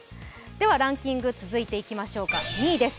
ランキング、続いていきましょうか２位です。